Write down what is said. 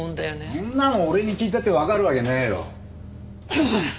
そんなの俺に聞いたってわかるわけねえよ。もうっ！